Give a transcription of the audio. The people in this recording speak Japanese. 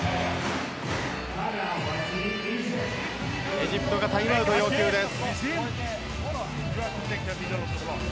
エジプトがタイムアウト要求です。